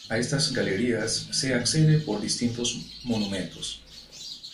A estas galerías se accede por distintos monumentos.